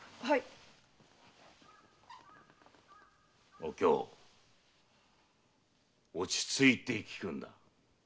お京落ち着いて聞くのじゃ。